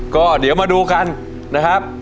ก็เดี๋ยวมาดูกันนะครับ